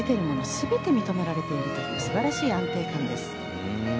全て認められているという素晴らしい安定感です。